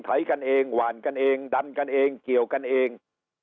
กันเองหวานกันเองดันกันเองเกี่ยวกันเอง